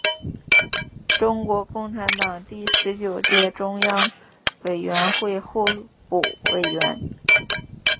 中国共产党第十九届中央委员会候补委员。